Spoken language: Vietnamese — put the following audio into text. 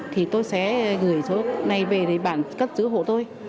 thì tôi sẽ gửi số này về để bản cất giữ hộ tôi